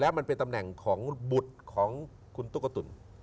มันเป็นตำแหน่งของบุตรของคุณตุ๊กตุ๋น